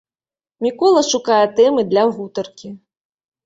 Мікола шукае тэмы для гутаркі.